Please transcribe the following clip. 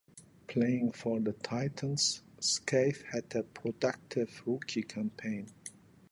Playing for the Titans, Scaife had a productive rookie campaign.